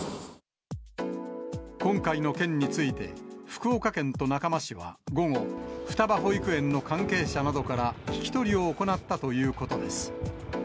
今回の件について、福岡県と中間市は、午後、双葉保育園の関係者などから、聞き取りを行ったということです。